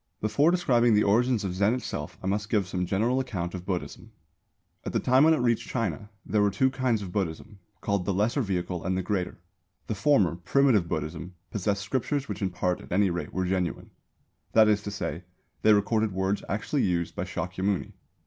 Before describing the origins of Zen itself I must give some general account of Buddhism. At the time when it reached China there were two kinds of Buddhism, called the Lesser Vehicle and the Greater. The former, Primitive Buddhism, possessed scriptures which in part at any rate were genuine; that is to say, they recorded words actually used by Shākyamuni.